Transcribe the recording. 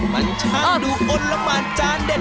มันช่างดูอ้นละหมานจานเด็ด